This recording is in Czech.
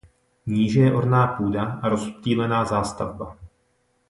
Níže je orná půda a rozptýlená zástavba.